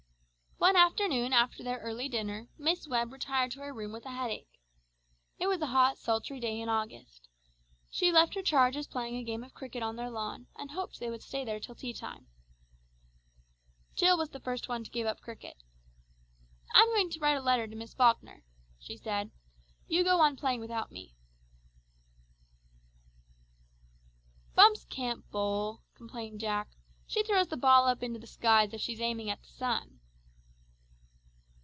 One afternoon after their early dinner, Miss Webb retired to her room with a headache. It was a hot, sultry day in August. She left her charges playing a game of cricket on their lawn, and hoped they would stay there till tea time. Jill was the first one to give up cricket. "I'm going to write a letter to Miss Falkner," she said. "You go on playing without me." "Bumps can't bowl," complained Jack; "she throws the ball up into the sky as if she's aiming at the sun."